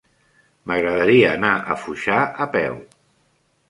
M'agradaria anar a Foixà a peu.